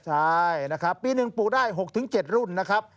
ใช่นะครับปี๑ปลูกได้๖๗รุ่นนะครับ